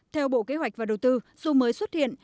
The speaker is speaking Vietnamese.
theo bộ kế hoạch và đầu tư dù mới xuất hiện